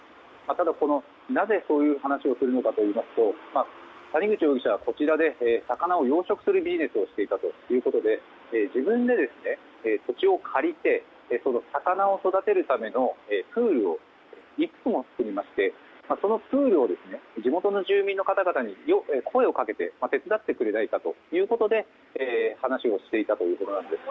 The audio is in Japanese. ただなぜそういう話をするのかといいますと谷口容疑者はこちらで魚を養殖するビジネスをしていたということで自分で土地を借りて魚を育てるためのプールをいくつも作りましてそのプールを地元の住民の方々に声をかけて手伝ってくれないかということで話をしていたということです。